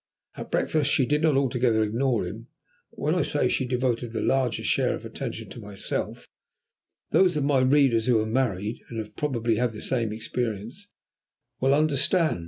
At breakfast she did not altogether ignore him, but when I say that she devoted the larger share of her attention to myself, those of my readers who are married, and have probably had the same experience, will understand.